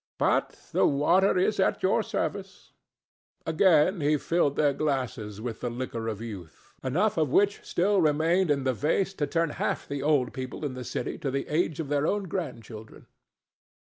But the water is at your service." Again he filled their glasses with the liquor of youth, enough of which still remained in the vase to turn half the old people in the city to the age of their own grandchildren.